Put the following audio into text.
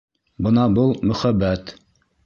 Бына был мөхәббәт!